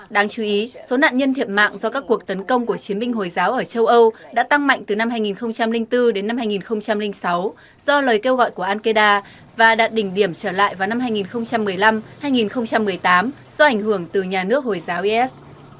đáng chú ý số nạn nhân thiệt mạng do các cuộc tấn công của chiến binh hồi giáo ở châu âu đã tăng mạnh từ năm hai nghìn bốn đến năm hai nghìn sáu do lời kêu gọi của al qaeda và đạt đỉnh điểm trở lại vào năm hai nghìn một mươi năm hai nghìn một mươi tám do ảnh hưởng từ nhà nước hồi giáo is